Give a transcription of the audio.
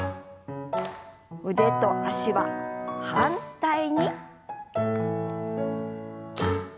腕と脚は反対に。